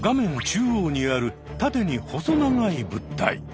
中央にある縦に細長い物体。